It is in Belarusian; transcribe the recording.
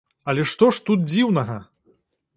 Але што ж тут дзіўнага!?